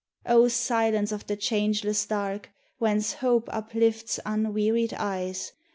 O silence of the changeless dark Whence Hope uplifts unwearied eyes!